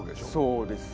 そうです。